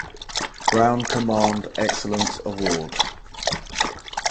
Brown Command Excellence Award.